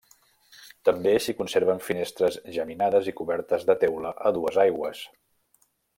També s'hi conserven finestres geminades i cobertes de teula a dues aigües.